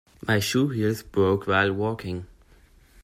My shoe heels broke while walking.